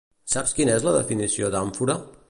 Saps quina és la definició d'àmfora?